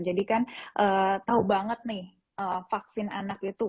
jadi kan tahu banget nih vaksin anak itu